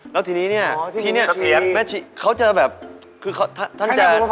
แล้วทีนี้นี่แม่ชีเขาจะแบบคือท่านจะ